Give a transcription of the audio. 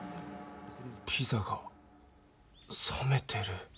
ピザがさめてる。